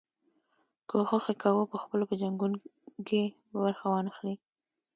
کوښښ یې کاوه پخپله په جنګونو کې برخه وانه خلي.